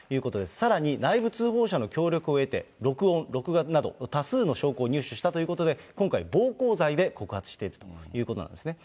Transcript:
さらに内部通報者の協力を得て、録音、録画など多数の証拠を入手したということで、今回、暴行罪で告発しているということなんですね。